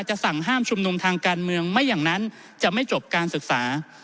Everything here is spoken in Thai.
สั่งห้ามชุมนุมทางการเมืองไม่อย่างนั้นจะไม่จบการศึกษา